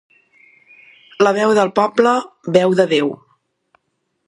La veu del poble, veu de Déu.